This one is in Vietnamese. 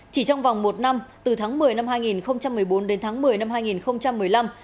chỉ trong vòng một năm từ tháng một mươi năm hai nghìn một mươi bốn đến tháng một mươi năm hai nghìn một mươi năm